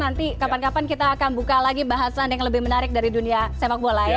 nanti kapan kapan kita akan buka lagi bahasan yang lebih menarik dari dunia sepak bola ya